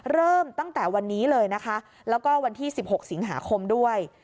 เริ่มตั้งแต่วันนี้เลยนะคะแล้วก็วันที่๑๖สิงหาคมด้วย